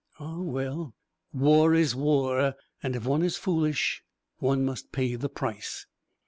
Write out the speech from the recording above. Ah, well! war is war, and if one is foolish one must pay the price.